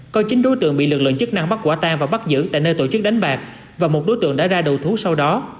có chín đối tượng bị lực lượng chức năng bắt quả tan và bắt giữ tại nơi tổ chức đánh bạc và một đối tượng đã ra đầu thú sau đó